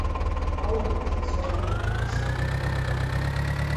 Алығыҙ, ти Сураман кесе көртлөккә.